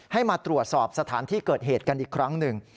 ให้มาตรวจสอบสถานที่เกิดเหตุกันอีกครั้งหนึ่ง